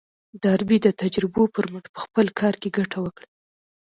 ډاربي د تجربو پر مټ په خپل کار کې ګټه وکړه.